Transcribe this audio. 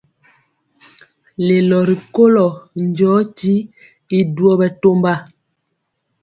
Lelo rikolo njɔɔtyi y duo bɛtɔmba.